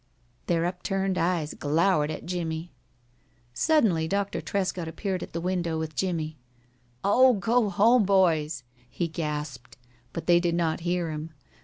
Their upturned eyes glowered at Jimmie. Suddenly Doctor Trescott appeared at the window with Jimmie. "Oh, go home, boys!" he gasped, but they did not hear him.